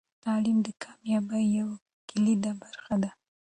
تعلیم د کامیابۍ یوه کلیدي برخه ده.